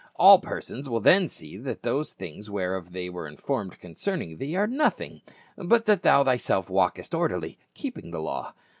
All persons will then see that those things whereof they were in formed concerning thee, are nothing ; but that thou thyself walkest orderly, keeping the law.